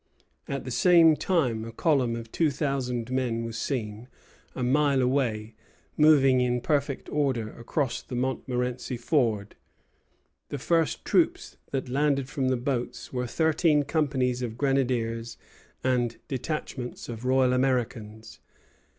At the same time a column of two thousand men was seen, a mile away, moving in perfect order across the Montmorenci ford. The first troops that landed from the boats were thirteen companies of grenadiers and a detachment of Royal Americans.